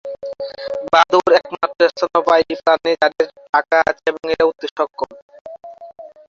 বাদুড় একমাত্র স্তন্যপায়ী প্রাণী যাদের পাখা আছে এবং এরা উড়তে সক্ষম।